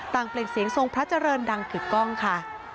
เปลี่ยนเสียงทรงพระเจริญดังกึกกล้องค่ะ